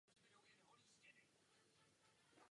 Postupně byl okruh technologických partnerů rozšířen.